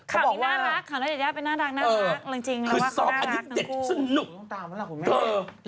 กลับข่าวนี้น่ารักเพราะเนตกลุ่มไม่ต้องตามแหน่กลัวแม่มรู๊มเอ่อ